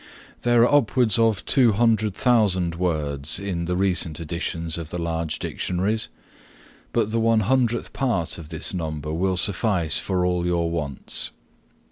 There are upwards of 200,000 words in the recent editions of the large dictionaries, but the one hundredth part of this number will suffice for all your wants.